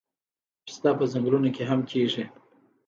پسته په ځنګلونو کې هم کیږي